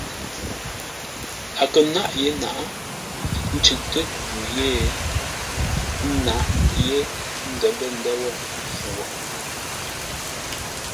A kə̂ nâʼ yé naʼá, ə́ ncʉʼtə́ tû ye ńnaʼ yé, ə́ ndə̂r lə̂ ndə̂ wə̂ mpfu wo.